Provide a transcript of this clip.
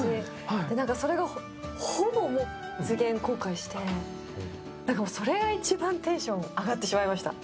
それがほぼ実現、公開して、それが一番テンション上がってしまいました。